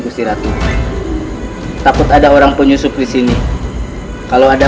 sejak tadi sama ucai